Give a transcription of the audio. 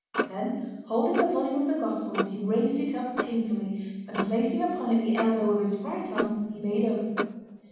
Then, holding the volume of the Gospels, he raised it up painfully, and placing upon it the elbow of his right arm, he made oath.